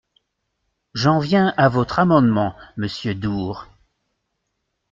J’en viens à votre amendement, monsieur Door.